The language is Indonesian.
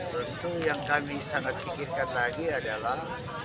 tentu yang kami sangat pikirkan lagi adalah